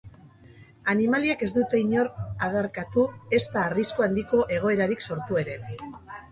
Animaliek ez dute inor adarkatu ezta arrisku handiko egoerarik sortu ere.